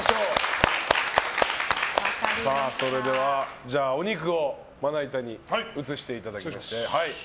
それでは、お肉をまな板に移していただきまして。